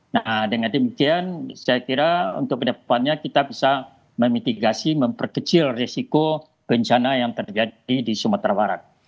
nah dengan demikian saya kira untuk kedepannya kita bisa memitigasi memperkecil resiko bencana yang terjadi di sumatera barat